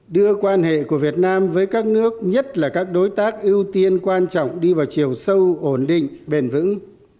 đưa quan hệ của việt nam với các nước nhất là các đối tác ưu tiên quan trọng đi vào chiều sâu ổn định bền vững